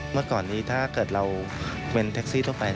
เมื่อก่อนนี้ถ้าเกิดเราเป็นแท็กซี่ทั่วไป